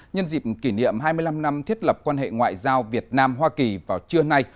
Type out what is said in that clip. nhân dịp kỷ niệm hai mươi năm năm thiết lập quan hệ ngoại giao việt nam hoa kỳ vào trưa nay